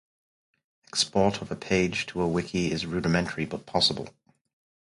Export of a page to a wiki is rudimentary but possible.